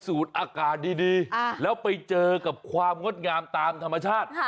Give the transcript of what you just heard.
อากาศดีแล้วไปเจอกับความงดงามตามธรรมชาติ